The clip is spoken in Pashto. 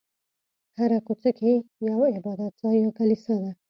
هره کوڅه کې یو عبادت ځای یا کلیسا ده.